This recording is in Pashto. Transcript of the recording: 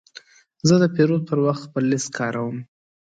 زه د پیرود پر وخت خپل لیست کاروم.